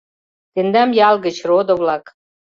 «Тендам ял гыч, родо-влак.